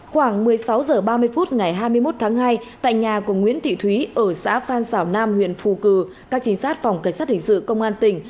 khoảng một mươi sáu h ba mươi phút ngày hai mươi một tháng hai tại nhà của nguyễn thị thúy ở xã phan xảo nam huyện phù cử các trinh sát phòng cảnh sát hình sự công an tỉnh